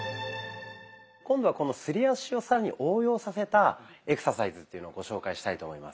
今度はこのすり足を更に応用させたエクササイズっていうのをご紹介したいと思います。